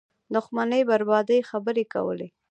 دښمنۍ بربادۍ خبرې کولې